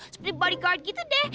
seperti bodyguard gitu deh